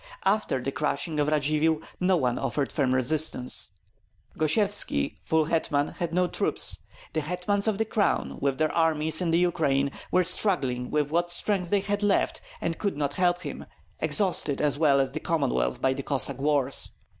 After the crushing of Radzivill no one offered firm resistance. Gosyevski, full hetman, had no troops; the hetmans of the Crown with their armies in the Ukraine were struggling with what strength they had left and could not help him, exhausted as well as the Commonwealth by the Cossack wars.